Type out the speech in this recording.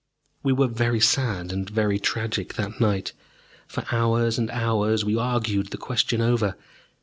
We were very sad and very tragic that night. For hours and hours we argued the question over.